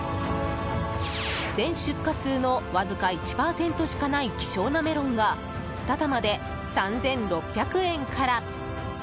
全出荷数のわずか１％しかない希少なメロンが２玉で３６００円から。